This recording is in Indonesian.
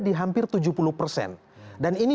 di hampir tujuh puluh persen dan ini